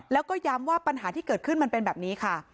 แล้วก็ย้ำว่าปัญหาที่เกิดขึ้นมันเป็นแบบนี้ค่ะ